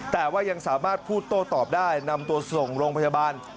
แต่ว่ายังสามารถพูดโต้ตอบได้นำตัวส่งโรงพยาบาล